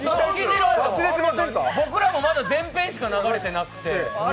僕らもまだ前編しか流れてなくて。